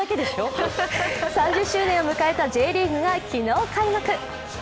３０周年を迎えたＪリーグが昨日開幕。